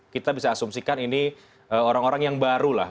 kita bisa asumsikan ini orang orang yang baru lah